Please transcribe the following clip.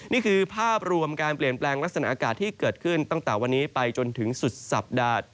นี่คือภาพรวมการเปลี่ยนแปลงลักษณะอากาศที่เกิดขึ้นตั้งแต่วันนี้ไปจนถึงสุดสัปดาห์